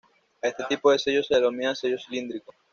A este tipo de sello se le denomina sello cilíndrico.